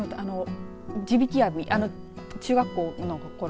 地引き網、中学校のころ